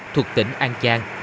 thuộc tỉnh an trang